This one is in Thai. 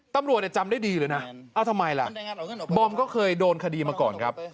ตำรวจจำได้ดีเลยนะเอาทำไมล่ะบอมก็เคยโดนคดีมาก่อนครับ